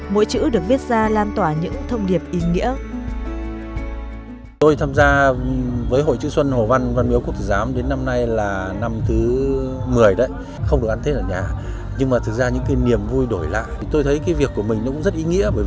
mỗi chữ được biết ra lan tỏa những thông điệp ý nghĩa